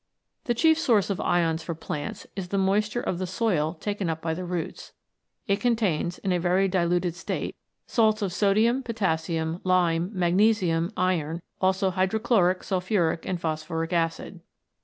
The chief source of ions for plants is the moisture of the soil taken up by the roots. It contains, in a very diluted state, salts of sodium, potas sium, lime, magnesium, iron, also hydrochloric, sulphuric and phosphoric acid.